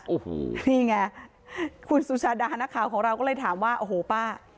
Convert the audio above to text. โอ้โหนี่ไงคุณสุชาดานักข่าวของเราก็เลยถามว่าโอ้โหป้า